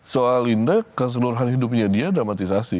soal indeks keseluruhan hidupnya dia dramatisasi